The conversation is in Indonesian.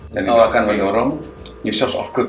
jadi ini akan menurunkan source of growth